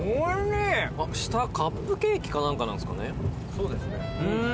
そうですね。